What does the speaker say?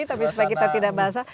tapi supaya kita tidak basah